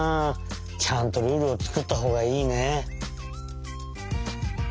ちゃんとルールをつくったほうがいいね。